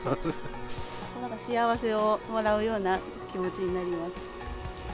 なんか幸せをもらうような気持ちになります。